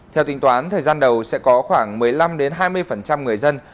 theo tính toán thời gian đầu sẽ có khoảng một mươi năm hai mươi người dân